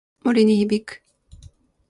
鳴き声が森に響く。